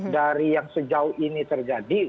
dari yang sejauh ini terjadi